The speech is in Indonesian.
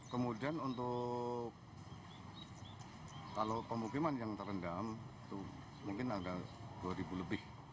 kemudian untuk kalau permukiman yang terendam mungkin ada dua ribu lebih